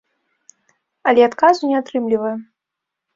Але адказу не атрымліваем.